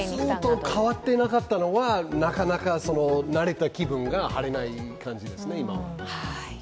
ずっと変わっていなかったのはなかなか気分が晴れない感じですね。